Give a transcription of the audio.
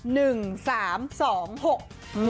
หนึ่งสามสองหก